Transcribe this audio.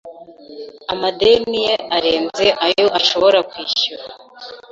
Amadeni ye arenze ayo ashobora kwishyura.